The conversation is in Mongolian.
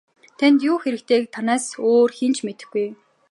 Танд юу хэрэгтэйг танаас өөр хэн ч сайн мэдэхгүй.